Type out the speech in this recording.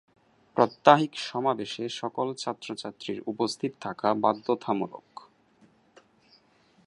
প্রাত্যহিক সমাবেশে সকল ছাত্র-ছাত্রীর উপস্থিত থাকা বাধ্যতামূলক।